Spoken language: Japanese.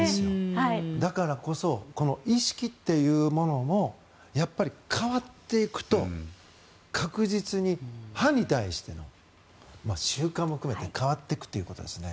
だからこそこの意識というものもやっぱり変わっていくと確実に歯に対しての習慣も含めて変わっていくということなんですね。